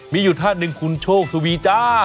มีอยู่ท่านหนึ่งคุณโชคทวีจ้า